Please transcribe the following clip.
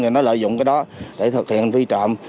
và nó lợi dụng cái đó để thực hiện phi trộm